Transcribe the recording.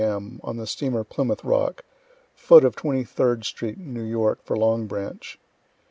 M., on the steamer "Plymouth Rock," foot of 23d street, New York, for Long Branch.